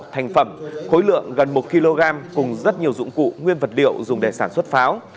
thành phẩm khối lượng gần một kg cùng rất nhiều dụng cụ nguyên vật liệu dùng để sản xuất pháo